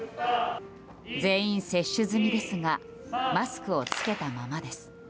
全員接種済みですがマスクを着けたままです。